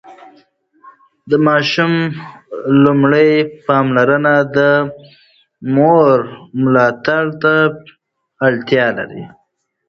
د ماشوم لومړني پاملرنه د مور ملاتړ ته اړتیا لري.